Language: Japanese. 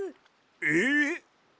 えっ！？